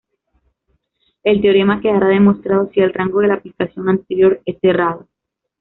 El teorema quedará demostrado si el rango de la aplicación anterior es cerrado.